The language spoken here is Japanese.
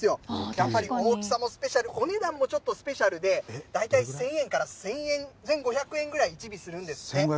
やっぱり大きさもスペシャル、お値段もちょっとスペシャルで、大体１０００円から１５００円ぐらい、１尾するんですって。